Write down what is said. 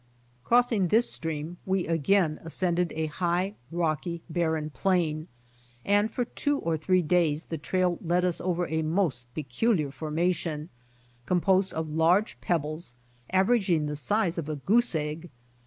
Crossing this stream we again ascended a high, rocky, barren plain, and for two or three days the trail led us over a most peculiar formation, composed of large pebbles, averaging the size of a goose egg.